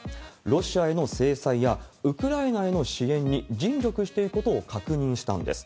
ロシアへの制裁やウクライナへの支援に尽力していくことを確認したんです。